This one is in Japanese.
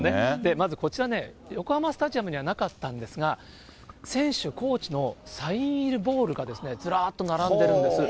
まずこちらね、横浜スタジアムにはなかったんですが、選手、コーチのサイン入りボールがですね、ずらっと並んでるんです。